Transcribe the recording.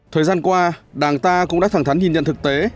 thời gian qua đảng ta cũng đã thẳng thắn nhìn nhận thực tế